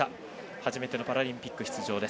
初めてのパラリンピック出場。